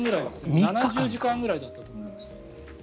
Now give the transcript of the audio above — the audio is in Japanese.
７０時間ぐらいだったと思います。